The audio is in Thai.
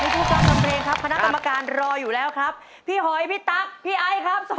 ในภูมิกับทำเพลงครับคณะกรรมการรออยู่แล้วครับพี่หอยพี่ตั๊กพี่ไอ้ครับสวัสดีครับ